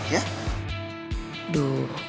tunggu pergi dulu